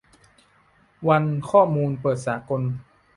วันข้อมูลเปิดสากล